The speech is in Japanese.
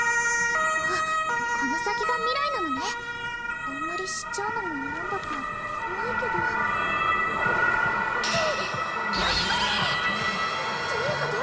ああこの先が未来なのねあんまり知っちゃうのも何だか怖いけどって何これ！どういうこと？